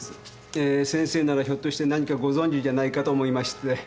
えー先生ならひょっとして何かご存じじゃないかと思いまして。